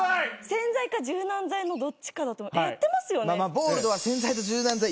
洗剤か柔軟剤のどっちかだとやってますよね？